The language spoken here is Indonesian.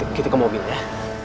yaudah kita ke mobil ya